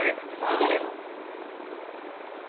逃げるの？